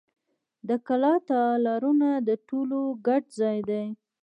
د کلا تالارونه د ټولو ګډ ځای و.